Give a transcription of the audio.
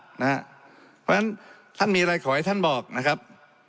เพราะฉะนั้นท่านมีอะไรขอให้ท่านบอกนะครับ